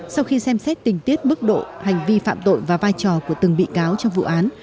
sau khi xem xét tình tiết bức độ hành vi phạm tội và vai trò của từng bị cáo trong vụ án